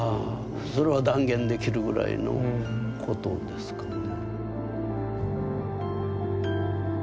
それは断言できるぐらいのことですかね。